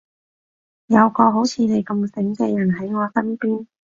有個好似你咁醒嘅人喺我身邊